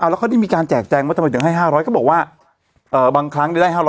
เอาแล้วเขาได้มีการแจกแจงว่าทำไมถึงให้ห้าร้อยเขาบอกว่าเอ่อบางครั้งได้ห้าร้อย